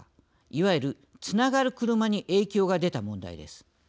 いわゆる、つながる車に影響が出た問題です。